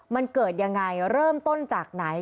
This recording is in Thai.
มันเกิดยังไงเริ่มต้นจากไหน